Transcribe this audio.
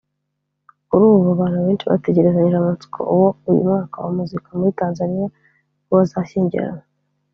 Kuri ubu abantu benshi bategerezanyije amatsiko uwo uyu mwami wa muzika muri Tanzaniya uwo bazashyingiranywa